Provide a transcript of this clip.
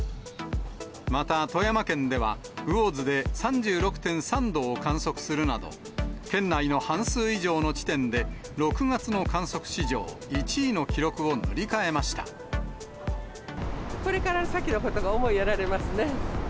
また、富山県では、魚津で３６．３度を観測するなど、県内の半数以上の地点で、６月の観測史上１位の記録を塗り替えまこれから先のことが思いやら